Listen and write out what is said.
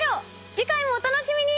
次回もお楽しみに！